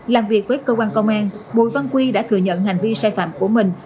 làm việc với cơ quan công an bùi văn quy đã thừa nhận hành vi sai phạm của mình